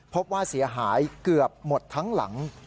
พบว่าเสียหายเกือบหมดทั้งหลัง